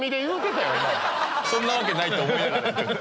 そんなわけないと思いながら。